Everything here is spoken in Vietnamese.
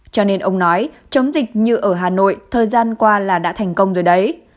cho nên ông nói chống dịch như ở hà nội thời gian qua là đã thành công rồi đấy